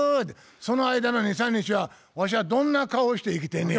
その間の２３日はわしはどんな顔して生きてんねや。